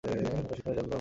বেশিক্ষণের জন্য নয়!